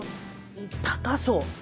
高そう。